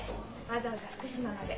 わざわざ福島まで。